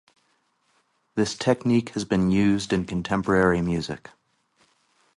This technique has been used in contemporary music.